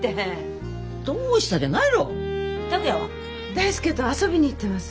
大介と遊びに行ってます。